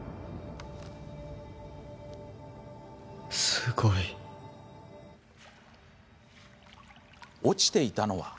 すごい。落ちていたのは。